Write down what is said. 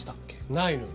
ないのよ